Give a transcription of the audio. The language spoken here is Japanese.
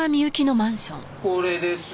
これです。